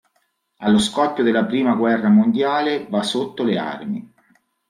Allo scoppio della prima guerra mondiale, va sotto le armi.